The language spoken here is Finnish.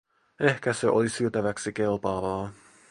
Ehkä se oli syötäväksi kelpaavaa.